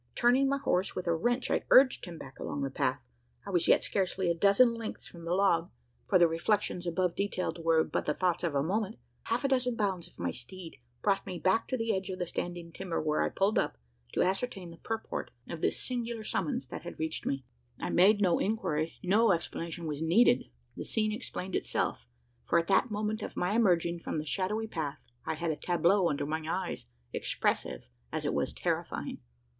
Turning my horse with a wrench, I urged him back along the path. I was yet scarcely a dozen lengths from the log for the reflections above detailed were but the thoughts of a moment. Half a dozen bounds of my steed brought me back to the edge of a standing timber where I pulled up, to ascertain the purport of this singular summons that had reached me. I made no inquiry no explanation was needed. The scene explained itself: for, at the moment of my emerging from the shadowy path, I had a tableau under my eyes, expressive as it was terrifying.